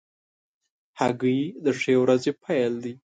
هګۍ د ښې ورځې پیل دی.